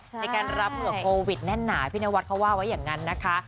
ในการรับเผื่อโควิดแน่นหนาพี่นวัดเขาว่าไว้อย่างนั้นนะคะ